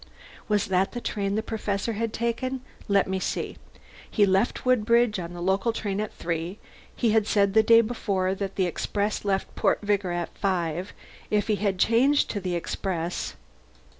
Was that the train the Professor had taken? Let me see. He left Woodbridge on a local train at three. He had said the day before that the express left Port Vigor at five.... If he had changed to the express.....